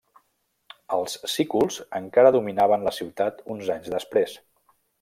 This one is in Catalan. Els sículs encara dominaven la ciutat uns anys després.